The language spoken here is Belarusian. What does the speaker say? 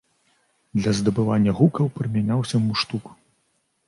Для здабывання гукаў прымяняўся муштук.